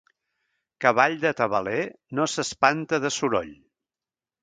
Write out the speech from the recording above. Cavall de tabaler, no s'espanta de soroll.